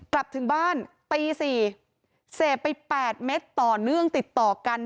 กลับถึงบ้านตี๔เสพไป๘เม็ดต่อเนื่องติดต่อกัน